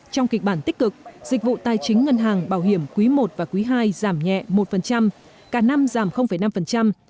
trong kịch bản tích cực dịch vụ tài chính ngân hàng bảo hiểm quý i và quý ii giảm nhẹ một cả năm giảm năm